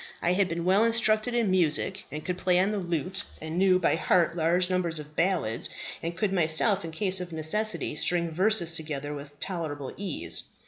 I had been well instructed in music and could play on the lute, and knew by heart large numbers of ballads, and could myself, in case of necessity, string verses together with tolerable ease.